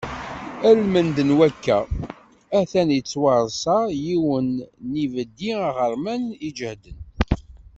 Almend n wakka, atan yettwareṣṣa yiwen n yibeddi aɣerman iǧehden.